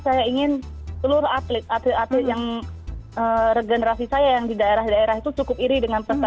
saya ingin seluruh atlet atlet yang regenerasi saya yang di daerah daerah itu cukup iri dengan peserta